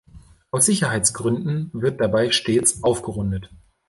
Aus Sicherheitsgründen wird dabei stets aufgerundet.